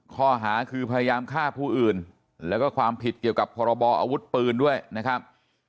ข้อหาคือพยายามฆ่าผู้อื่นแล้วก็ความผิดเกี่ยวกับพรบออาวุธปืนด้วยนะครับ